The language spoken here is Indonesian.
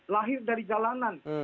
lahir dari jalanan